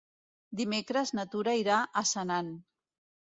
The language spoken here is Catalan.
Dimecres na Tura irà a Senan.